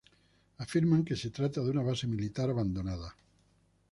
Afirman que se trata de una base militar abandonada.